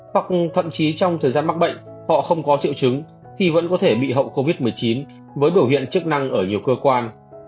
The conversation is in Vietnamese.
hoặc thậm chí trong thời gian mắc bệnh họ không có triệu chứng thì vẫn có thể bị hậu covid một mươi chín với biểu hiện chức năng ở nhiều cơ quan